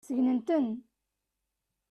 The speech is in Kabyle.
Segnet-tent.